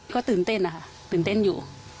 ก็ตื่นเต้นนะคะตื่นเต้นอยู่